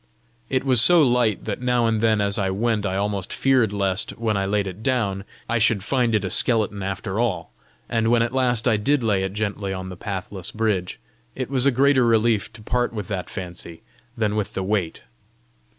It was so light that now and then as I went I almost feared lest, when I laid it down, I should find it a skeleton after all; and when at last I did lay it gently on the pathless bridge, it was a greater relief to part with that fancy than with the weight.